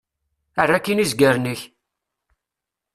Err akkin izgaren-ik!